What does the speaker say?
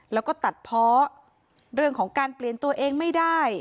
แล้วก็ตัดเพาะเรื่องของการเปลี่ยนตัวเองไม่ได้